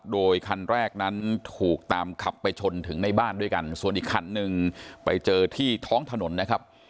โดยคันแรกนั้นถูกตามขับไปชนถึงในบ้านด้วยกันส่วนอีกคันหนึ่งไปเจอที่ท้องถนนนะครับ